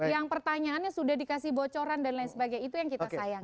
yang pertanyaannya sudah dikasih bocoran dan lain sebagainya itu yang kita sayang